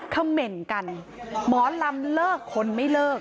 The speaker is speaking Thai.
เขม่นกันหมอลำเลิกคนไม่เลิก